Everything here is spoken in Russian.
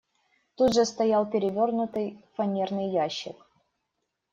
Тут же стоял перевернутый фанерный ящик.